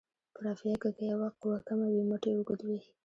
په رافعه کې که یوه قوه کمه وي مټ یې اوږد وي.